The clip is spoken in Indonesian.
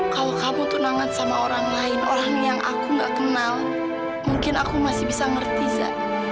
kalau kamu tunangan sama orang lain orang yang aku nggak kenal mungkin aku masih bisa ngerti za